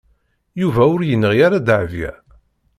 Yuba ur yenɣi ara Dahbiya.